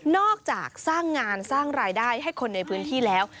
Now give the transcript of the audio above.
อกจากสร้างงานสร้างรายได้ให้คนในพื้นที่แล้ว